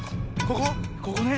ここね。